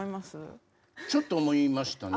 ちょっと思いましたね。